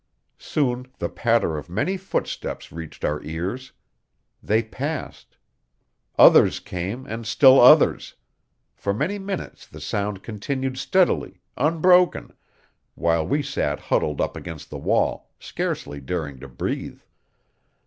Soon the patter of many footsteps reached our ears. They passed; others came, and still others. For many minutes the sound continued steadily, unbroken, while we sat huddled up against the wall, scarcely daring to breathe.